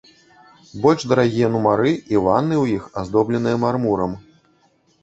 Больш дарагія нумары і ванны ў іх аздобленыя мармурам.